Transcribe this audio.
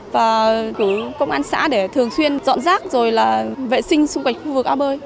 và cử công an xã để thường xuyên dọn rác rồi là vệ sinh xung quanh khu vực ao bơi